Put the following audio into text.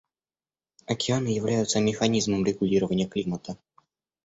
Океаны являются механизмом регулирования климата.